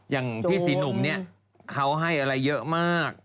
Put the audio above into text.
อย่างพี่ศรีหนุ่มเนี่ยเขาให้อะไรเยอะมาก